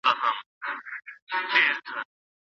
نیک عمل د انسان غوره ملګری دی.